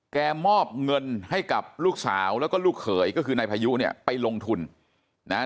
มอบเงินให้กับลูกสาวแล้วก็ลูกเขยก็คือนายพายุเนี่ยไปลงทุนนะฮะ